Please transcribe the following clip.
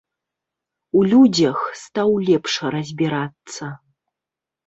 У людзях стаў лепш разбірацца.